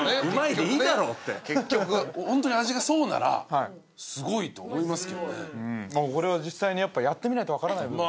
うまいでいいだろうって結局ね結局ホントに味がそうならはいすごいと思いますけどねこれは実際にやっぱやってみないと分からない